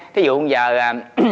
thí dụ bây giờ